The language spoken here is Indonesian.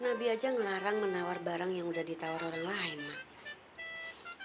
nabi aja ngelarang menawar barang yang udah ditawar orang lain mah